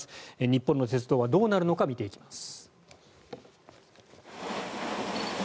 日本の鉄道はどうなるのか見ていきます。